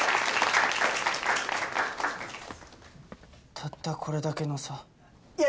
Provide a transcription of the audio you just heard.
たったこれだけの差いや